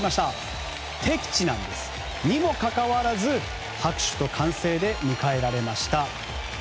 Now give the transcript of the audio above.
敵地にもかかわらず拍手と歓声で迎えられました。